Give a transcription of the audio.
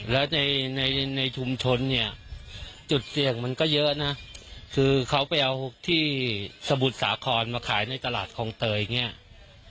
แล้วในในชุมชนเนี่ยจุดเสี่ยงมันก็เยอะนะคือเขาไปเอาที่สมุทรสาครมาขายในตลาดคลองเตยอย่างนี้